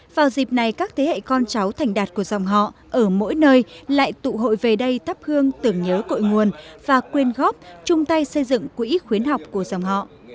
vào dịp này các thế hệ con cháu thành đạt của dòng họ ở mỗi nơi lại tụ hội về đây thắp hương tưởng nhớ cội nguồn và quyên góp chung tay xây dựng quỹ khuyến học của dòng họ